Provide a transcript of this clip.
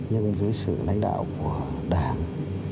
nhưng dưới sự đánh đạo của đảng